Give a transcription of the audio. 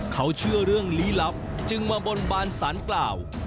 เขาเชื่อเรื่องลี้ลับจึงมาบนบานสารกล่าว